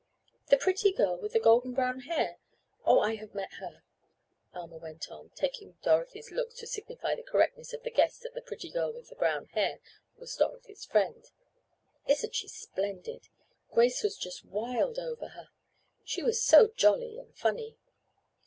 "The pretty girl, with the golden brown hair? Oh, I have met her," Alma went on, taking Dorothy's look to signify the correctness of the guess that the "pretty girl with the brown hair" was Dorothy's friend. "Isn't she splendid? Grace was just wild over her—she was so jolly and funny."